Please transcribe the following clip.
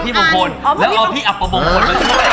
นี่น้องมงคลกับอัปปมงคล